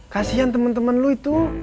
kasian temen temen lu itu